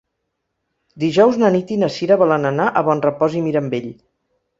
Dijous na Nit i na Cira volen anar a Bonrepòs i Mirambell.